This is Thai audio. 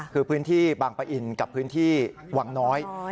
คือพื้นที่บางปะอินกับพื้นที่วังน้อย